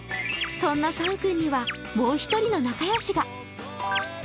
そんなサン君にはもう１人の仲良しが。